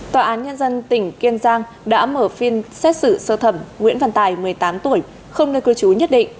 tòa án nhân dân tỉnh kiên giang đã mở phiên xét xử sơ thẩm nguyễn văn tài một mươi tám tuổi không nơi cư trú nhất định